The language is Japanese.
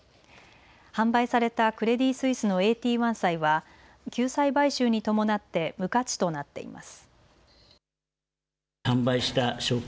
販売されたクレディ・スイスのＡＴ１債は救済買収に伴って無価値となっています。